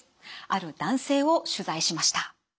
ある男性を取材しました。